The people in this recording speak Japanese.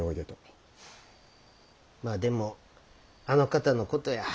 まぁでもあの方のことや。